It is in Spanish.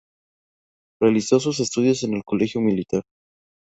Realizó sus estudios en el Colegio Militar.